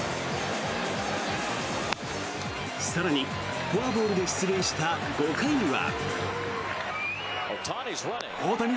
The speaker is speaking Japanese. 更にフォアボールで出塁した５回には。